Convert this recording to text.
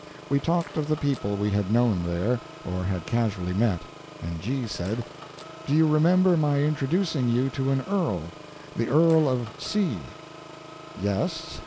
We talked of the people we had known there, or had casually met; and G. said: "Do you remember my introducing you to an earl the Earl of C.?" "Yes.